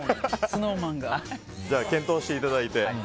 ＳｎｏｗＭａｎが。検討していただいて。